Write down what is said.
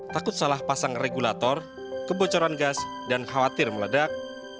takut salah pasang regulator kebocoran gas dan khawatir meledak